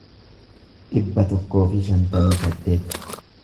dhibba tokkoo fi shantamii saddeet